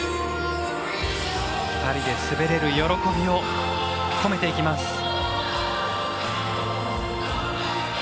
２人で滑れる喜びを込めていきます。